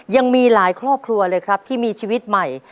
ยังมีหลายครอบครัวเลยครับที่มีชีวิตใหม่